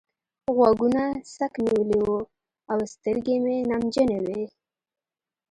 غوږونه څک نيولي وو او سترګې مې نمجنې وې.